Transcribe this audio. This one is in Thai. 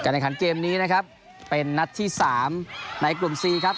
ได้ขั้นจะยังไงครับเป็นน่ะที่สามไม่คุณที่ครับ